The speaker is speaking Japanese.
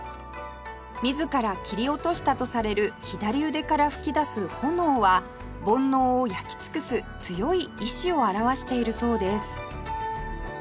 自ら切り落としたとされる左腕から噴き出す炎は煩悩を焼き尽くす強い意志を表しているそうです